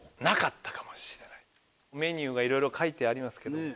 メニューがいろいろ書いてありますけども。